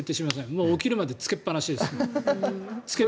もう起きるまでつけっぱなしです。